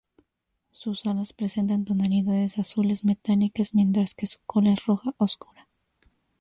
Sus alas presentan tonalidades azules metálicas, mientras que su cola es roja oscura.